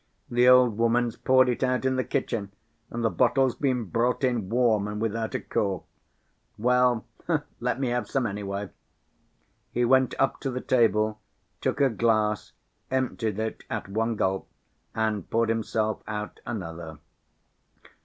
"The old woman's poured it out in the kitchen and the bottle's been brought in warm and without a cork. Well, let me have some, anyway." He went up to the table, took a glass, emptied it at one gulp and poured himself out another.